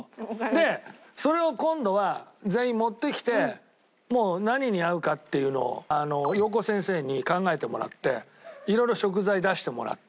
でそれを今度は全員持ってきてもう何に合うかっていうのをようこ先生に考えてもらっていろいろ食材出してもらって。